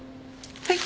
はい。